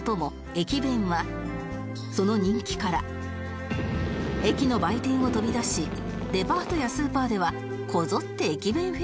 駅弁はその人気から駅の売店を飛び出しデパートやスーパーではこぞって駅弁フェアを開催